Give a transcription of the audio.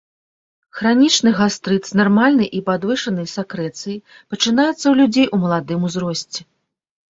Хранічны гастрыт з нармальнай і падвышанай сакрэцыяй пачынаецца ў людзей у маладым узросце.